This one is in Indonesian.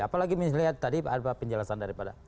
apalagi misalnya tadi ada penjelasan daripada